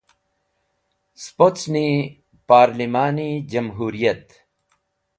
Spocni Parlimani Jamhuriyat.